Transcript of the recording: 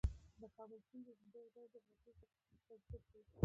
د کابل سیند د ځانګړي ډول جغرافیې استازیتوب کوي.